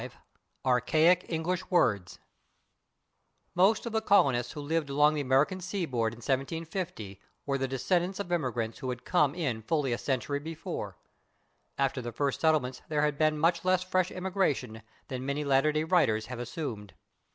§ 5 /Archaic English Words/ Most of the colonists who lived along the American seaboard in 1750 were the descendants of immigrants who had come in fully a century before; after the first settlements there had been much less fresh immigration than many latter day writers have assumed.